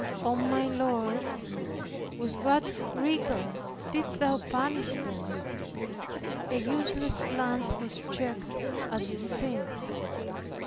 O my Lord, with what rigor didst Thou punish them! A useless glance was checked as a sin.